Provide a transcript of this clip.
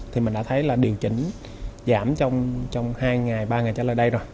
thì mình đã thấy là điều chỉnh giảm trong hai ngày ba ngày trả lời đây rồi